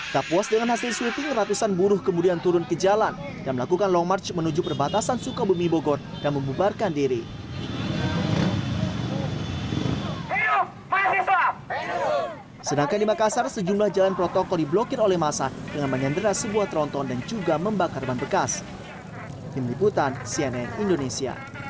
tak puas dengan hasil swiping ratusan buruh kemudian turun ke jalan dan melakukan long march menuju perbatasan sukabumi bogor dan membuarkan diri